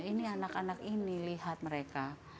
ini anak anak ini lihat mereka